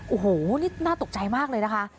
โอ้โหนี่น่าตกใจมากเลยนะคะ